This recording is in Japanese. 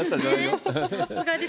さすがです。